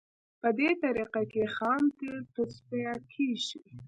په دې طریقه کې خام تیل تصفیه کیږي